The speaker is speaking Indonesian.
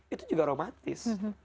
itu juga romantis